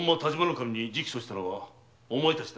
守に直訴したのはお前たちだな？